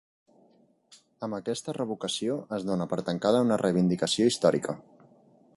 Amb aquesta revocació es dona per tancada una reivindicació històrica